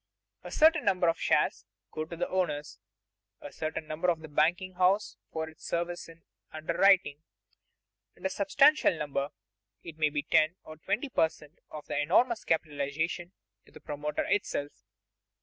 A certain number of shares go to the owners, a certain number to the banking house for its services in underwriting, and a substantial number, it may be ten or twenty per cent, of the enormous capitalization, to the promoter himself.